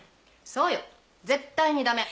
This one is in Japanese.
そうよ絶対にダメ。